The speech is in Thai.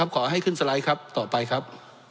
ขอให้ขึ้นสไลด์ครับต่อไปครับ